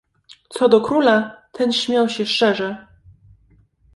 "Co do króla, ten śmiał się szczerze."